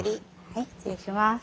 はい失礼します。